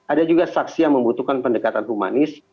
ada juga saksi yang membutuhkan pendekatan humanis